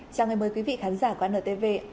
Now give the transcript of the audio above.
chào mừng quý vị khán giả của ntv